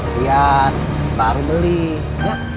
lihat baru beli ya